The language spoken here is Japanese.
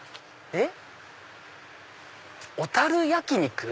えっ！